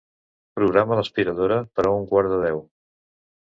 Programa l'aspiradora per a un quart de deu.